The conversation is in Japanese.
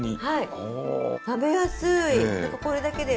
食べやすい。